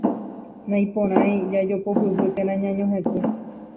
Naiporãi jajopopyhy térã ñañohetũ.